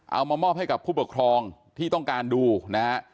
เอามามอบให้กับผู้ปกครองที่ต้องการดูนะฮะ